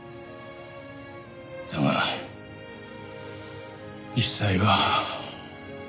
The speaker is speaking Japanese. だが実際は。